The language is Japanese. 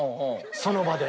その場で。